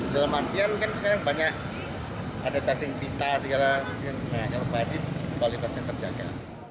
dalam antian kan sekarang banyak ada cacing pita segala yang banyak banyak saja kualitasnya terjaga